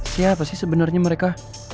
siapa sih sebenernya mereka